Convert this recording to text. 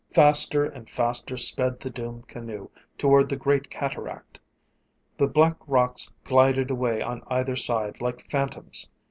Faster and faster sped the doomed canoe toward the great cataract. The black rocks glided away on either side like phantoms.